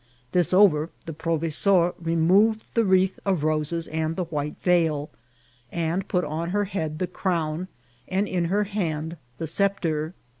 This over, the pro* vesor removed the wreath of roses and the white veil| and put on her head the crown and in her hand the sceptre.